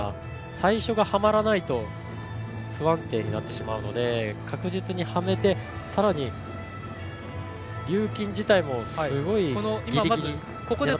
最初がはまらないと不安定になってしまうので確実にはめてさらにリューキン自体もすごいギリギリで。